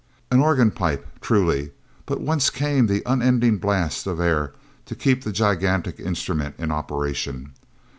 An organ pipe, truly. But whence came the unending blast of air to keep that gigantic instrument in operation?